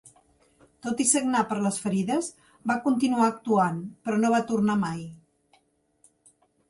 Tot i sagnar per les ferides, va continuar actuant, però no va tornar mai.